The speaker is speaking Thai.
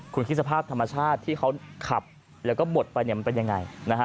คุณคิดสภาพธรรมชาติที่เขาขับแล้วก็บดไปมันเป็นยังไง